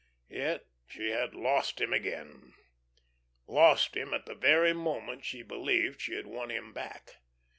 Yet she had lost him again, lost him at the very moment she believed she had won him back.